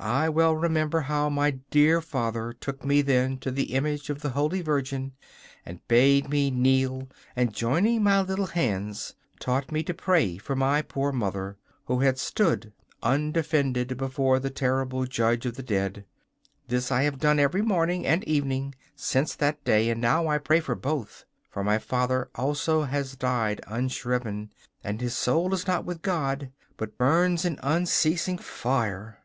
'I well remember how my dear father took me then to the image of the Holy Virgin and bade me kneel, and, joining my little hands, taught me to pray for my poor mother, who had stood undefended before the terrible Judge of the Dead. This I have done every morning and evening since that day, and now I pray for both; for my father also has died unshriven, and his soul is not with God, but burns in unceasing fire.